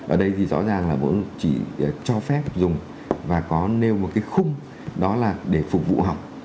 ở đây thì rõ ràng là bộ chỉ cho phép dùng và có nêu một cái khung đó là để phục vụ học